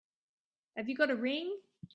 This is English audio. Have you got a ring?